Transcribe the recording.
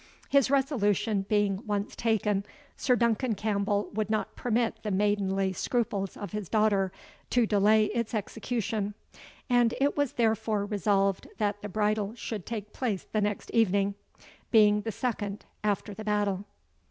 His resolution being once taken, Sir Duncan Campbell would not permit the maidenly scruples of his daughter to delay its execution; and it was therefore resolved that the bridal should take place the next evening, being the second after the battle.